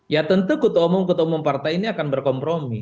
ya tentu kutu omong kutu omong partai ini akan berkompromi